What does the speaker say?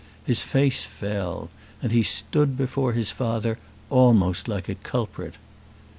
His face fell, and he stood before his father almost like a culprit.